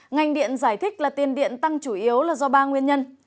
ngành điện giải thích là tiền điện tăng chủ yếu là do ba nguyên nhân